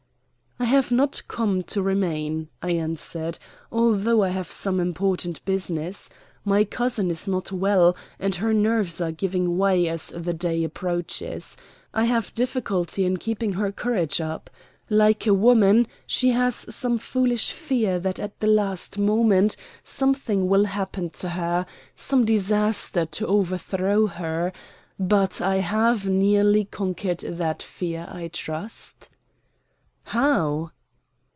"I have not come to remain," I answered, "although I have some important business. My cousin is not well; and her nerves are giving way as the day approaches. I have difficulty in keeping her courage up. Like a woman, she has some foolish fear that at the last moment something will happen to her some disaster to overthrow her. But I have nearly conquered that fear, I trust." "How?"